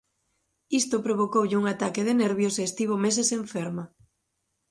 Isto provocoulle un ataque de nervios e estivo meses enferma.